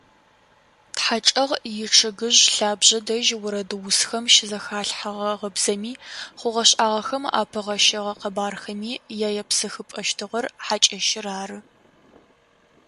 Тхьачӏэгъ ичъыгыжъ лъабжъэ дэжь орэдусхэм щызэхалъхьэгъэ гъыбзэми, хъугъэ-шӏагъэхэм апыгъэщэгъэ къэбархэми яепсыхыпӏэщтыгъэр хьакӏэщыр ары.